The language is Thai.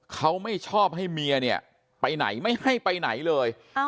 เขาไม่ชอบให้เมียเนี่ยไปไหนไม่ให้ไปไหนเลย